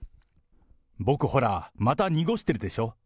僕ほら、また濁してるでしょ？